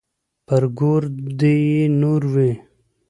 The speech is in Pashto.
پر ګور دې يې نور وي.